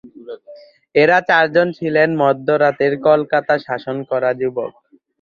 এরা চারজন ছিলেন "মধ্য রাতের কলকাতা শাসন করা যুবক"।